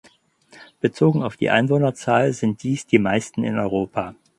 Bezogen auf die Einwohnerzahl sind dies die meisten in Europa.